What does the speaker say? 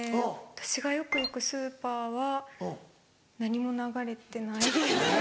私がよく行くスーパーは何も流れてないです。